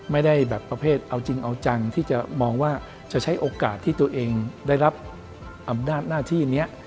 ไม่ได้แบบประเภทเอาจริงเอาจังที่จะมองว่าจะใช้โอกาสที่ตัวเองได้รับอำนาจหน้าที่นี้